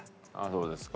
そうですか。